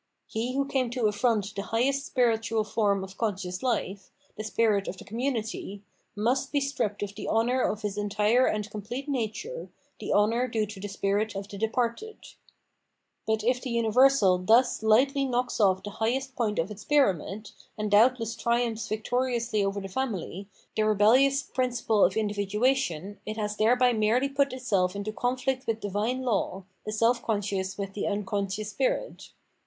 He who came to afiront the highest spiritual form of conscious life, the spirit of the com munity, must be stripped of the honour of his entire and complete nature, the honour due to the spirit of the departed.* But if the universal thus lightly knocks ofi the highest point of its pyramid, and doubtless triumphs victoriously over the family, the rebeUious principle * V. Antigone. 472 TTienomendlogy of Mind of individuation, it has thereby merely put itself into conflict with divine law, the self conscious with the unconscious spirit.